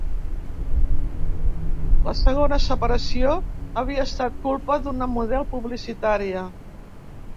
La segona separació havia estat culpa d'una model publicitària.